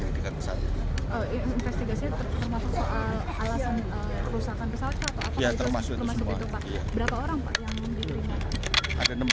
itu utang jawabnya kami indonesia